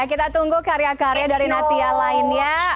kita tunggu karya karya dari natia lainnya